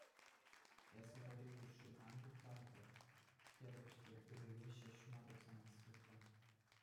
Эсӗ вӗри куҫҫуль ан юхтартӑр тетӗп-ҫке, ыррине ҫеҫ сунатӑп сана, Света.